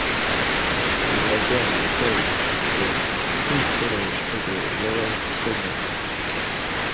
Son directeur de thèse au King's College était Lawrence Freedman.